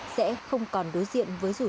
sẽ không còn đối diện với rủi ro